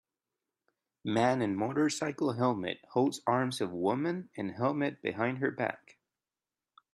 Man in motorcycle helmet holds arms of woman in helmet behind her back.